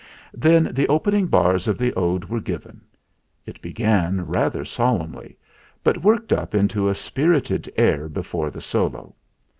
Then the opening bars of the Ode were given. It began rather solemnly, but worked up into a spirited air before the solo.